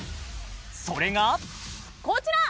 それがこちら！